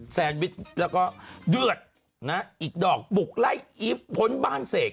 แซนวิชแล้วก็เดือดนะอีกดอกบุกไล่อีฟพ้นบ้านเสก